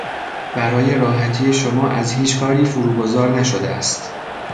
برای راحتی شما از هیچ کاری فرو گذار نشده است.